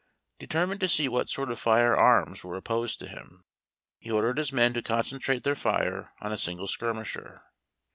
Determined to see what sort of fire arms were opposed to him, he ordered his men to concentrate their fire on a single skirmisher.